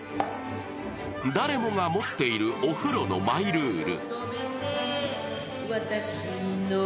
誰もが持っているお風呂のマイルール。